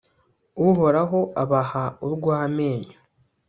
uhoraho abaha urw'amenyo